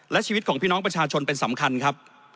และชีวิตของพี่น้องประชาชนเป็นสำคัญครับ